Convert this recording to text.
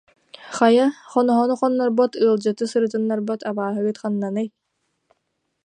Хайа, хоноһону хоннорбот, ыалдьыты сырытыннарбат абааһыгыт ханнаный